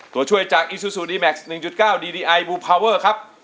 ตัวช่วยจากอีซูซูดีแม็กซ์๑๙ดีดีไอบูพาวเวอร์ครับ